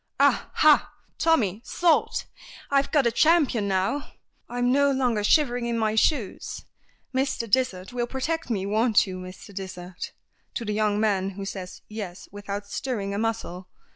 "Ah, ha, Tommy, sold! I've got a champion now. I'm no longer shivering in my shoes. Mr. Dysart will protect me won't you, Mr. Dysart?" to the young man, who says "yes" without stirring a muscle.